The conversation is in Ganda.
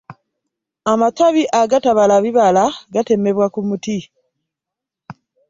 Amatabi agatabala bibala gatemebwa ku muti .